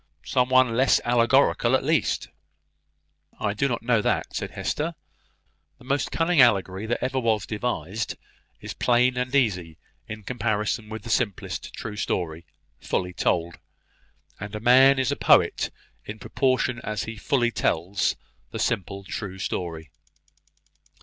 "Some one less allegorical, at least." "I do not know that," said Hester. "The most cunning allegory that ever was devised is plain and easy in comparison with the simplest true story, fully told: and a man is a poet in proportion as he fully tells a simple true story."